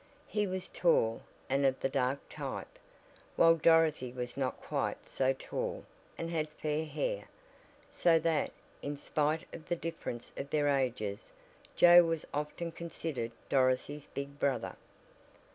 He was tall, and of the dark type, while Dorothy was not quite so tall, and had fair hair; so that, in spite of the difference of their ages, Joe was often considered Dorothy's big brother.